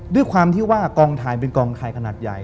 ด้วยความที่ว่ากองถ่ายเป็นกองไทยขนาดใหญ่